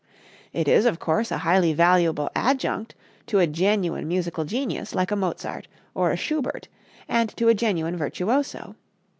It is, of course, a highly valuable adjunct to a genuine musical genius like a Mozart or a Schubert and to a genuine virtuoso.